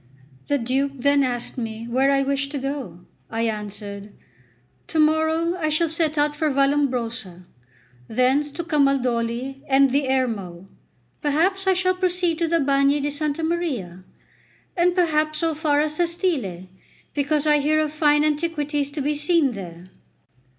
The Duke then asked me where I wished to go. I answered: "To morrow I shall set out for Vallombrosa, thence to Camaldoli and the Ermo, afterwards I shall proceed to the Bagni di Santa Maria, and perhaps so far as Sestile, because I hear of fine antiquities to be seen there.